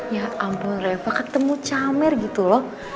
ya ampun reva ketemu camer gitu loh